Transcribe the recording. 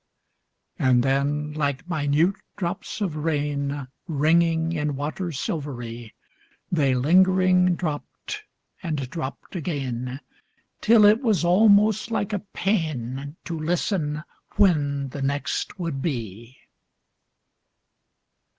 And then, like minute drops of rain Ringing in water silvery, They lingering dropped and dropped again, Till it was almost like a pain To listen when the next would be.